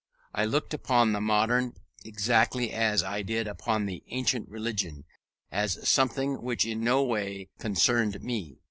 I looked upon the modern exactly as I did upon the ancient religion, as something which in no way concerned me.